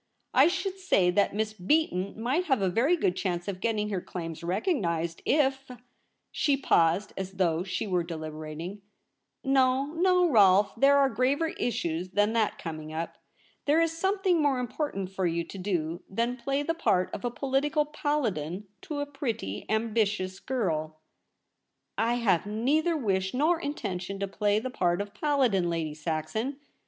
I should say that Miss Beaton might have a very good chance of getting her claims recognised if ' she paused as though she were deliberating. ' No, no, Rolfe ; there are graver issues than that coming up. There is something more important for you to do than play the part of political paladin to a pretty ambitious girl.' * I have neither wish nor intention to play the part of paladin, Lady Saxon.